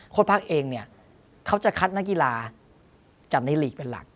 พักเองเนี่ยเขาจะคัดนักกีฬาจัดในลีกเป็นหลัก